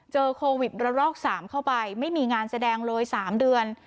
เจอโควิดและรอกสามเข้าไปไม่มีงานแสดงเลยสามเดือน